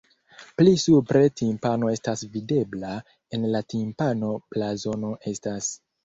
Pli supre timpano estas videbla, en la timpano blazono estas.